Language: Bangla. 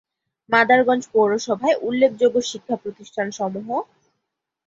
মাদারগঞ্জ পৌরসভায় উল্লেখযোগ্য শিক্ষা প্রতিষ্ঠান সমূহ-